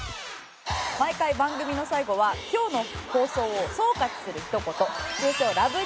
毎回番組の最後は今日の放送を総括するひと言通称ラブ！！